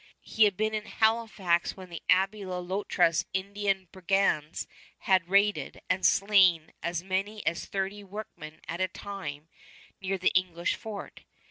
He had been in Halifax when the Abbé Le Loutre's Indian brigands had raided and slain as many as thirty workmen at a time near the English fort.